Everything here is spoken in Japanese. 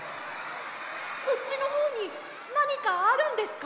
こっちのほうになにかあるんですか？